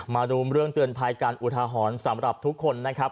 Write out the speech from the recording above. มาดูเรื่องเตือนภัยการอุทาหรณ์สำหรับทุกคนนะครับ